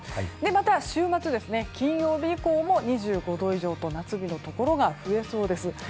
また週末、金曜日以降も２５度以上の夏日のところが増えそうです。